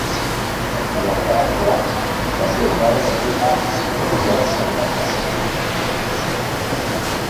Durant l'etapa escolar també va desenvolupar un trastorn alimentari.